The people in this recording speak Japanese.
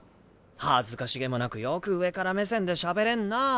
恥ずかし気もなくよく上から目線でしゃべれんなぁ